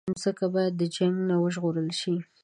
مځکه باید د جنګ نه وژغورل شي.